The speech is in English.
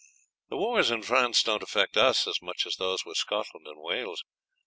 The wars in France don't affect us as much as those with Scotland and Wales.